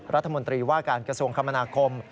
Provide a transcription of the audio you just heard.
รัฐมนตรีว่าการกระทรวงคมนาคม